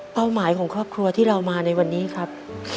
หมายของครอบครัวที่เรามาในวันนี้ครับ